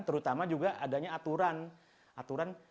terutama juga adanya aturan